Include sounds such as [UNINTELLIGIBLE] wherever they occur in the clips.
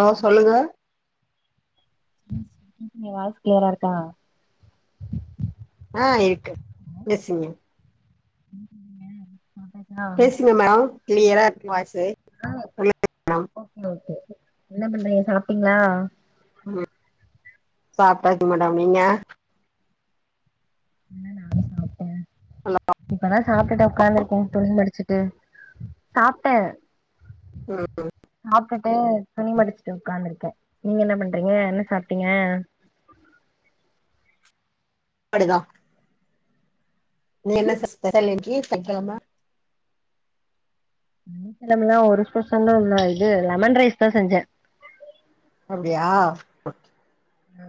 ஆ சொல்லுங்க [INAUDIBLE] எ வாய்ஸ் க்ளியரா இருக்கா ஆ இருக்கு பேசுங்க [INAUDIBLE] பேசுங்க மேடம் க்ளியரா இருக்கு உங்க வாய்ஸு ம் சொல்லுங்க மேடம் ஓகே ஓகே என்ன பண்றீங்க சாப்ட்டீங்ளா ம் சாப்ட்டாச்சு மேடம் நீங்க என்ன நானு சாப்ட்டே ஹலோ இப்பதா சாப்பிட்டுட்டு உக்காந்துருக்கோ துணி மடிச்சுட்டு சாப்ட்ட ம் சாப்ட்டுட்டு துணி மடிச்சுட்டு உட்காந்துருக்கே நீங்க என்ன பண்றீங்க என்ன சாப்பிட்டீங்க அப்டிதா நீ என்ன ஸ்பெஷல் இன்னைக்கு சனிக்கிழம என்ன மெல்லா ஒரு ஸ்பெஷலு இல்ல இது லெமன் ரைஸ் தா செஞ்சே அப்டியா ஆ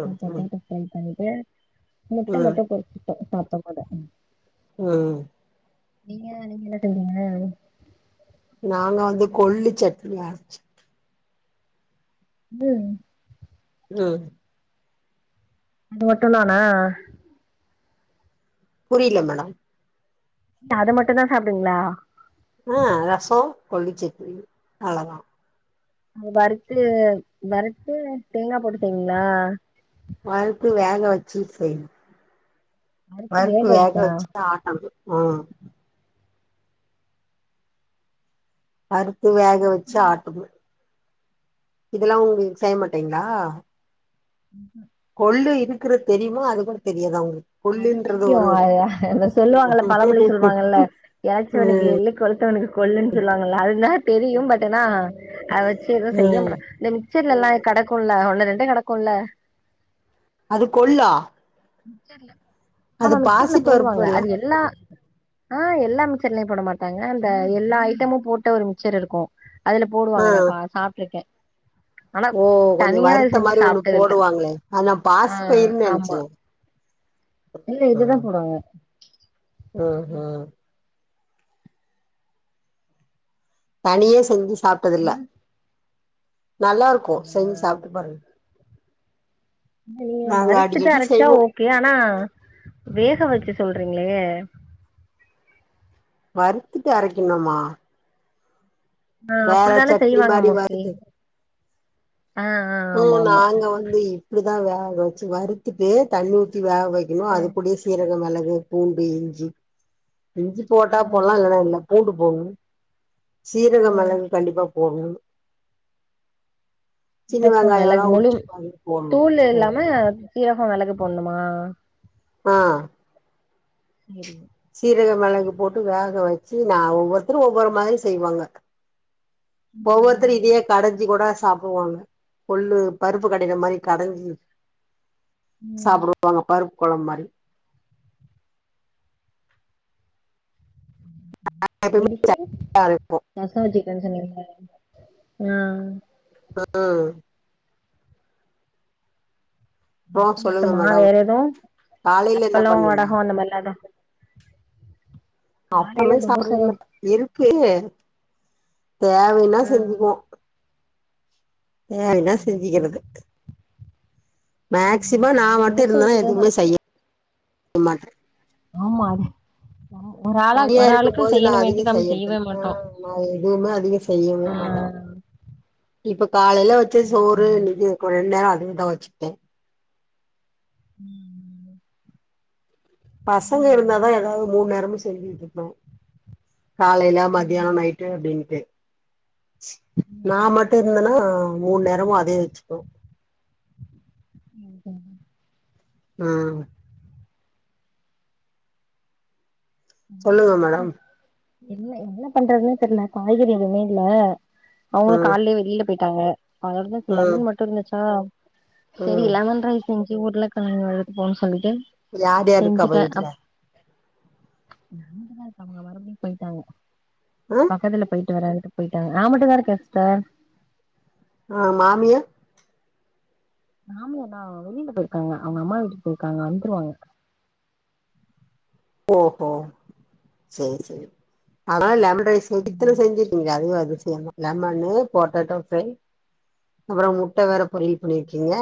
ம் ம் பொட்டேட்டோ ஃப்ரை பண்ணிட்டு முட்டை ம் மட்டு பொறிச்சிட்டோ சாப்பிடும்போது உஹம் நீங்க நீங்க எல்லாட்டுக்குங்க நாங்க வந்து கொல்லு சட்னி அரச்சு ம் ம் அது மட்டு தான புரியல மேடம் அத மட்டு தா சாப்பிடுவிங்களா ஆ ரசம் கொல்லு சட்னி அவ்ளோதா வறுத்து வறுத்து தேங்காய் போட்டுபிங்களா வறுத்து வேக வச்சு செய்ணு வறுத்து வருத்து வேக வச்சா வச்சுா ஆட்டணு ம் வறுத்து வேக வச்சு ஆட்டனு இதெல்லா உங்க செய்ய மாட்டீங்களா உ கொள்ளு இருக்கறது தெரியுமா அது கூட தெரியாத உங்களுக்கு அது தெரியு அது அ சொல்லுவாங்கல்ல பழமொழி சொல்லுவாங்கல்ல ம் எறச்சவனுக்கு எள்ளு கொள் விட்டவனுக்கு கொள்ளுன்னு சொல்லுவாங்கல்ல அதுனா தெரியு பட் ஆனா அத வச்சு எதுவு ம் செய்யமாட் கிச்சன்ல எல்லா கெடக்குல ஒன்னு ரெண்டே கடக்கும்ல்ல அது கொள்ளா அது ஆமா மிக்சர்ல பாசி போடுவாங்க பருப்புல்ல அது எல்லா ஆ எல்லா மிக்ச்சர்லயு போட மாட்டாங்க இந்த எல்லா ஐட்டமு போட்ட ஒரு மிக்ச்சர் இருக்கு அதுல ஆ போடுவாங்க நா பா சாப்பிட்டுருக்கே ஆனா ஓ கொஞ்சோ தனியா வறுத்த செஞ்சு மாரி ஒண்ணு சாப்பிட்டதுல போடுவாங்களே அது நா ஆ பாசி பயிர்னு ஆமா நெனச்சனே இல்ல இதுதான் போடுறாங்க அ அ தனியே செஞ்சு சாப்ட்டது ஆ, இல்ல நல்லா இருக்கு இல்ல செஞ்சு சாப்ட்டு பாருங்க நீ நாங்க வறுத்துட்டு அடிக்கடி அரைச்சா செய்வோ ஓகே ஆனா வேக வச்சு சொல்றீங்களே வறுத்துட்டு அரைக்கணுமா ஆ வேற அப்டித்தானே சட்னி செய்வாங்க மாரி மோஸ்ட்லி வறுத்து ஆ ஆ ஆமா ம் ஆமா நாங்க வந்து இப்டிதா வேக வச்சு வறுத்துட்டு தண்ணி ஊத்தி வேக வை இன்னும் அது ம் கூடயே சீரக மிளகு பூண்டு இஞ்சி இஞ்சி போட்டா போடலா ம் இல்லன்னா இல்ல பூண்டு போடணு சீரக ம் மிளகு கண்டிப்பா போடணு சின்ன சீரகம் வெங்காயம்லா மிளகு முழு உரிச்சு பாதி போடணு தூள் ம் இல்லாம சீரகம் மிளகு போடனுமா ஆ செரி சீரக மெளகு போட்டு வேக வச்சு நா ஒவ்வொருத்தரும ஒவ்வொரு மாரியு செய்வாங்க ஒவ்வொருதரு ம் இதே கடைஞ்சி கூட சாப்படுவாங்க கொல்லு பருப்பு கடையிர மாரி கடைஞ்சி ம் சாப்பிடுவாங்க பருப்பு கொழம்பு மாரி எப்பயுமே எடுத்து நல்லா இருக்கு ரச வச்சுருக்கேன்னு சொன்னிங்கள்ல ஆ அ ஆ அப்றோ மத்த சொல்லுங்க மட்டுமா மேடம் வேற எது காலையில என்ன அப்பளோ பண்ணீங்க வடகொ அந்த மாரிலா எது காலையில அப்பமே தோசதா சாப்பறதுல்ல இருக்கு தேவைன்னா ஆ செஞ்சுக்குவோ தேவைனா ம். செஞ்சிக்கிறது ம் மேக்சிம நா நானு மட்டு தோச இருந்தனா ஊத்திதா எதுவுமே சாப்ட்டே செய்ய மாட்ட ஆமா அது ஒரு ஆளா தனியா ஒரு இருக்கும் ஆளுக்கு போது நா அதிக செய்யணுமேன்ட்டு நம்ம செய்யவே செய்யறதில்ல ஆ மாட்டோ நா எதுவுமே அதிக செய்யவே ஆ மாட்டே இப்ப காலையில வச்சு சரி, சோறு சரி. இன்னைக்கு ரெண்டு நேர அதுவேதா வச்சுக்ட்டே ம் பசங்க ஆமா இருந்தாதா ஏதாவது மூணு நேரம செஞ்சுட்டு இருப்ப காலையில ம் மத்தியான நைட்டு அப்படின்னுட்டு நா ம். மட்டு இருந்தேன்னா மூணு நேரமு அதே வச்சுக்கோ ம் ம் ஆ சொல்லுங்க மேடம் என்ன என்ன பண்றதுன்னே தெரியல காய்கறி எதுமே இல்ல அவங்களு ம் காலயே வெளியில போயிட்டாங்க அதோந்து ம் லெமன் மட்டு இருந்துச்சா சரி ம் லெமன் ரைஸ் இங்க ஊர்ல கயணி வேலைக்கு போகன்னு சொல்லிட்டு யார் யாருக்காப்ப செஞ்சுட்டே வீட்ல நாமட்டுதா இருப்ப அவங்க வரம்ப போயிட்டாங்க ஆ பக்கத்துல போயிட்டு வரறங்கக்கு போயிட்டாங்க ஆமட்டக்காரரு க எஸ்டார் ஆ மாமியா மாமிய தா வெளியில போயிருக்காங்க அவங்க அம்மா வீட்டுக்கு போயிருக்காங்க வந்துருவாங்க ஓஹோ சரி சரி ஆனா லெமன் [UNINTELLIGIBLE] இத்தன ம் செஞ்சிருக்கீங்கே அதுவே அதிசயம்தா லமன்னு பொட்டேடோ ஃப்ரை அப்பறோ முட்ட வேற பொரியல் பண்ணியிருக்கீங்க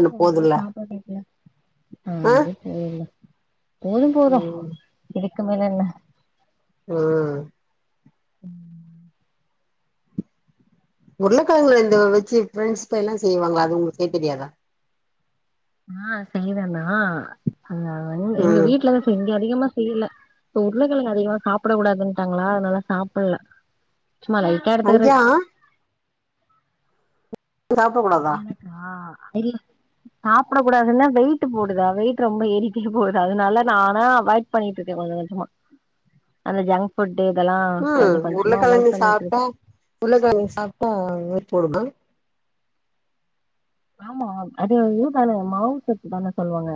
என்ன போதுல்ல ஆ போது போது ம் இதுக்கு மேல என்ன ஆ ம் உருளக்கெழங்கு ரெண்டு வச்சி பிரெண்ட்ஸ் ப்ரை எல்லா செய்வாங்கள அது உங்களுக்கு தெரியாதா ஆ செய்தேனா அ எ எங்க ம் வீட்ல இப்ப இங்க அதிகமா செய்யல உருளகெழங்க அதிகமா சாப்பட கூடாதுட்டாங்களா அதனால சாப்பல்ல சும்மா லை அய்யா சாப்பட கூடாதா ஆ தெரி சாப்பிட கூடாதுனா வெயிட்டு போடுது வெயிட் ரொம்ப ஏறிட்டே போது அதனாலே நானா அவாய்டு பண்ணிட்ருக்கே கொஞ்ச கொஞ்சமா அந்த ஜங்க் ஃபுட்டு் இதலா கொஞ்ச கொஞ்சம அவாய்ட் பண்ணிட்ருக்கே புள்ளகாரிங் சாப்டா வெயிட் போடுமா ஆமா அது இது தானங்க மாவுசத்து தான சொல்வாங்க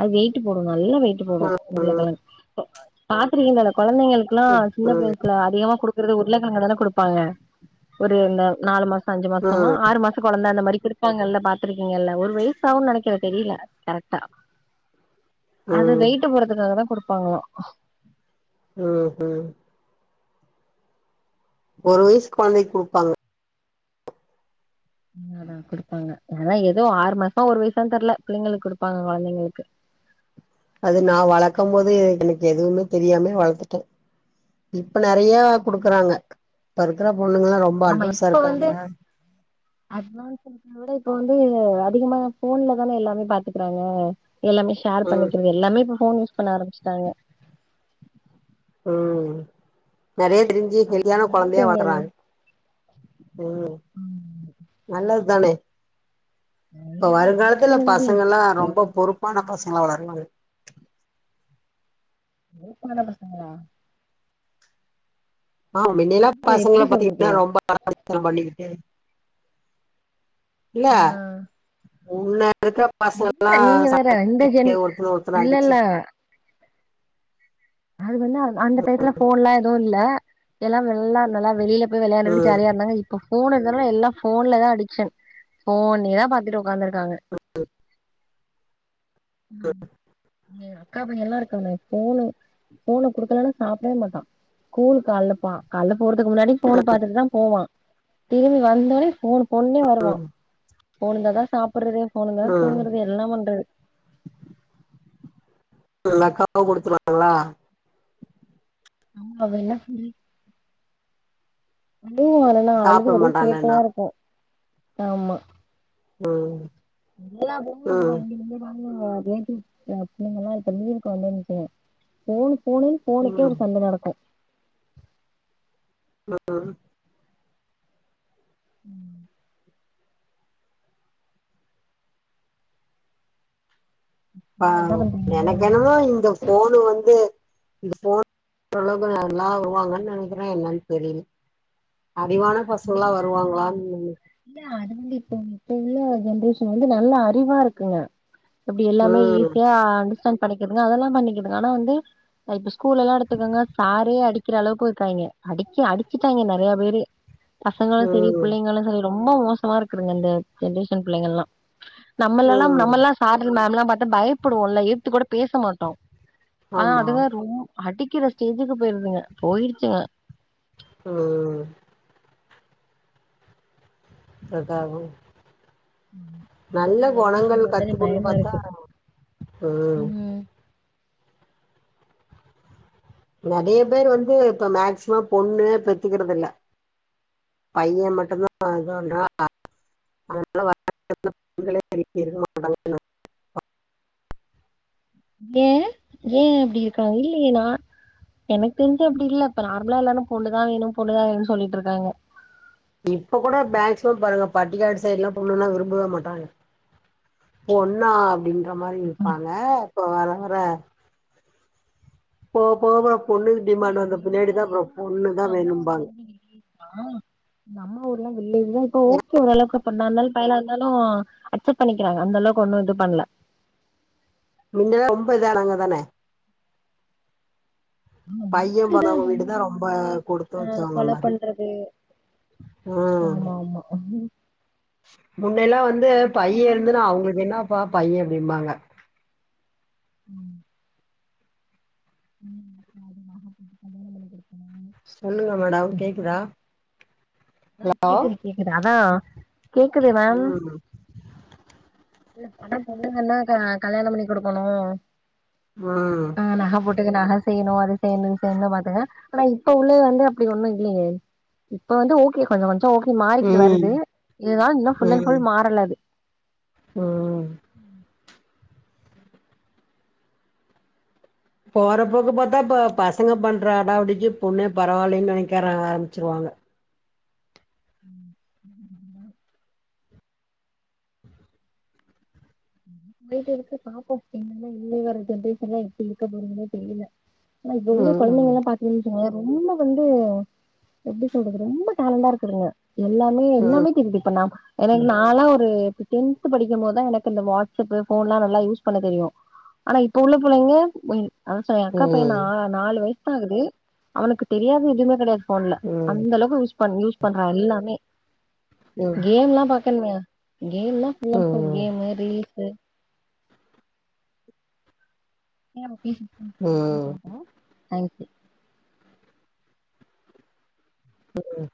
அது வெயிட்டு போடு நல்லா வெயிட்டு போடு ம் உருளக்கிழங்கு பாத்திருக்கீங்கள கொழந்தைங்களுக் கிலா ம் சின்ன வயசுல அதிகமா குடுக்கறது உருளக்கிழங்க தான குடுப்பாங்க ஒரு இந் நாலு மாச அஞ்சு மாச்தம ஆறு மாச கொழந்த அந்த மாரி குடுபாங்கள்ள பாத்துருக்கீங்கல்ல ஒரு வயசாவுன் நெனக்கிற தெரில கரெக்டா அத ம் வெயிட்டு போறதுக்காக தா குடுப்பாங்களா ம் ம் ஒரு வயசு கொழ்ந்தைக் குடுப்பாங்க அதா எதோ ஆறு மாசமா ஒரு வயசான் தெர்ல பிள்ளைங்களுக் குடுப்பாங்க கொழ்ந்தைங்களுக்கு அது நா வளக்கம் போது எனக்கு எதுவுமே தெரியாமே வளத்துட்டே இப்ப நெறையா குடுக்குறாங்க இப்ப இருக்கிற பொண்ணுங்லா ரொம் ஆமா இப்ப வந்து ஆக்சுலா ஆனா இப்ப வந்து அதிகமா எ போன்ல தான எல்லாமே பாத்துக்கிறாங்க எல்லாமே ஷேர் ம் பண்ணிக்கிறது எல்லாமே இப்ப போன் யூஸ் பண்ண ஆரம்பிச்டாங்க ம் நறையா தெரிஞ்சி ஹெல்தியான அதனால இப்ப குழந்தையா இங்க எல்லா வளகிறாங்க ம் நல்லத்தானே இப்ப ஹெல்தி எங்க வருங்காலத்துல ஹெல்தி பசங்கலா ரொம்ப பொறுப்பான பசங்கலா வளருவாங்க லவ் பண்ணாத பசங்கலா ஆ மின்னேய்லா இங்க எப்டி பசங்கல பாத்தீங்கன்னா சொல்றது ரொம்ப ஆடாவடிதன பண்ணிக்கிட்டு இல்ல ஆ உன்னே இப்ப இருக்கிற பசங்கலா இல்ல நீங்க வேற சட்ட இந்த ஜென் புடிக்க ஒருத்தர ஒருத்தர் இல்ல அடிச்சி இல்ல அது வந்து அந்த டயத்துல போன்லா எதுவு இல்ல எல்லா வெள்ளான்னு வெளில இப்ப விளையாண்டுகிட்டு ம் ஜாலியா இருந்தாங்க இ இப்ப போன் இருந்தாங்கில எல்லா போன்ல தா அடிக்ஷன் போனே தா பாத்துட்டு உக்காந்துருக்காங்க ஏ அக்கா பையலா இருக்கானே போனு போன குடுக்கலனா சாப்பிடவே மாட்டா ஸ்கூலுக்கு அள்ளப்பா கால்ல போறதுக்கு முன்னாடி போன பாத்துட்டு தா போவா திரும்பி வந்தோனே போனு பொன்னே வருவா போனிந்தா தா சாப்பிட்றது போனிந்த தா ம் தூங்கறது எல்லா பண்றது எல்லாக்காவ குடுத்துவாங்ளா [INAUDIBLE] தோ வர னா சாப்பிட அழுதுபடி சேட்டையா மாட்டான்லன்னா இருக்கு ஆமா ம் எல்லா பொம்பள ம் புள்ளைங் இர்கிறாங் னா ரிலேட்டிவ்ஸ் எங் பிள்ளைங்க இப்ப லீவுக்கு வந்துன்சு போனு போனுன் போனுக்கே ம் ஒரு சண்ட நடக்கு ம் ம் அ ஆ என்ன பண்றீங்க எனக்கென்னதோ இந்த போனு வந்து இது போனு இப்பளவுக் நல்லா வருவாங்கன் நெனைக்கிறே என்னன் தெரியில அறிவான பசங்லா வருவாங்களான் தெர்யு இல்ல அதுங்களுக்கு வந்து இப்ப இப்ப உள்ள ஜென்ரேஷன் வந்து நல்ல அறிவா இருக்குங்க இப்டி எல்லாமே ம் ஈஸியா அண்டர்ஸ்டாண்ட் பண்ணக்குதுங்க அதெல்லா பண்ணிக்குதுங்க ஆனா வந்து இப்ப ஸ்கூல்ல எல்லா எடுத்துக்கோங்க சாரே அடிக்கிற அளவுக்கு இருக்காங்க அடிக்க அடிச்சட்டாங்க நெறைய பேரு பசங்களு செரி ம் புள்ளைங்களு செரி ரொம்ப மோசமா இருக்குங்க இந்த ஜென்ரேஷன் பிள்ளைங்கள்லா நம்மெல்லா ம் நம்மல்லா சார் மேம் எல்லா பாத்த பயப்படுவோம்ல எதித்து கூட பேச மாட்டோ ஆனா ஆமா அதுங்க ரொம் அடிக்கிற ஸ்டேஜுக்கு போயிருதுங்க போயிருச்சுங்க ம் அத்தாகு அதா இந்த ஜென்ரேஷன் குணங்கள் பத்தாலே கத்துக்கணுன்னு பயமா பாத்தா இருக்கு ம் நறைய பேர் வந்து இப்ப மேக்சிமம் பொண்ணு பெத்துக்கிறது இல்ல பைய மட்டும்தா இது பண்றா அதனால [INAUDIBLE] [INAUDIBLE] ஏயே ஏயே அப்டி இருக்காங்க இல்லையே நா எனக்கு தெரிஞ்சி அப்டி இல்ல இப்ப நார்மலா எல்லாரு பொண்ணதா வேணு பொண்ணதா வேணுன்னு சொல்லிட்டு இருக்காங்க இப்ப கூட மேக்ஸிமம் பாருங்க பட்டிக்காடு சைட் எல்லா பொண்ணுங்கல்லா விரும்பவே மாட்டாங்க பொண்ணா அப்படின்ற மாரி இருப்பாங்க இப்ப வர வர போவ போவ பொண்ணுக்கு அப்டியா டிமாண்ட் வந்த பின்னாடி எங்க தான் அப்றோ பொண்ணு தா வேணும்பாங்க ஆ நம்ம ஊர்லா இல்லைய இப்ப ஓகே ஓரளவுக்கு பொண்ணா இருந்தாலு பையல இருந்தாலு அக்செப்ட் பண்ணிக்கிறாங்க அந்த அளவுக்கு ஒன்னு இது பண்ல முன்னல்ல ரொம்ப இதா ஆனாங்க தானே ஆ பையன் முன்னாடி தா போனவங்க வீடு பொண்ணுங்கல தான் ரொம்ப கொடுத்து வந்த வச்சவங்க கொல மாதிரி பண்றது ஆமா ஆமா முன்ன எல்லா வந்து இப்ப பையே யாருமே இருந்துன்னா இருக்க மாட்டாங்க. அவுங்களுக்கு என்னப்பா பைய அப்டிம்பாங்க ம் ம் அதுமா பொண்ண கல்யாணோ பண்ணி குடுக்கணும்னு சொல்லுங்க மேடம் கேக்குதா அதா ஹலோ கேக்குது கேக்குது அதா கேக்குது மேம் ம் இல்ல ஆனா பொண்ணுங்கன்னா கல்யாணோ பண்ணி குடுக்கணு ம் ஆ நக போட்டு நகை செய்யணு அது செய்யனு இது செய்யனுன் தா பாத்தாங்க ஆனா இப்ப உள்ள வந்து அப்டி ஒன்னு இல்லையே இப்ப வந்து ஓகே கொஞ்ச கொஞ்சோ ஓகே மாறிக்கிட்டு ம் வருது இருந்தாலு இன்னு ஃபுல் அண்ட் ம் ஃபுல் மாறல அது ம் ம் போறப்போக்கு பாத்தா பசங்க பண்ற அடாவடிக்கு பொண்ணே பரவால்லைன்னு நெனைக்க ஆரம்பிச்சிருவாங்க ம் போயிட்டு இருக்கு பாப்போ என்னென்னா இனி வர்ற ஜென்ரேஷன் எல்லா எப்டி இருக்க போறங்கன்னே தெரில ஆனா இது டேய்லியு ம் ம் கொழந்தைங்கெல்லா பாத் இப்ப இருகறதுங்க ரொம்ப வந்து எப்டி சொல்றது ரொம்ப டேலண்டா இருக்குதுங்க எல்லாமே ம் எல்லாமே தெரியுது இப்ப நா எனக்கு நாலா ஒரு இப்ப டென்த் படிக்கும் போதுதா எனக்கு இந்த வா இப்ப இப்ப ஃபோன்லா நல்லா யூஸ் பண்ண தெரியு ஆனா இப்ப உள்ள பிள்ளைங்க தோ அதா சொல்ற ஏயா அக்கா பையனா ம் நாலு வயசு ஆகுது அவனுக்கு தெரியாது எதுவுமே கெடையாது ஃபோன்ல அந்த ம் அளவுக்கு யூஸ் பண் யூஸ் பண் யூஸ் பண்றா எல்லாமே கேம்லா பாக்கணுமே கேம் தா ஃபுல் அண்ட் ஃபுல் ம் கேமு ரீல்ஸ்சு ம் ம் [UNINTELLIGIBLE] ம்